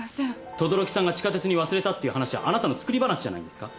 「等々力さんが地下鉄に忘れた」っていう話はあなたの作り話じゃないんですか？